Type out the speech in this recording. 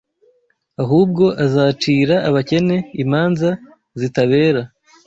Ahubwo azacira abakene imanza zitabera